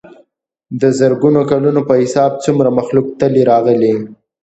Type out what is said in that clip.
دَ زرګونو کلونو پۀ حساب څومره مخلوق تلي راغلي